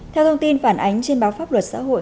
theo thông tin phản ánh trên báo pháp luật xã hội